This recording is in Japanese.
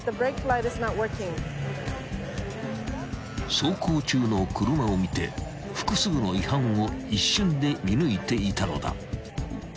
［走行中の車を見て複数の違反を一瞬で見抜いていたのだ］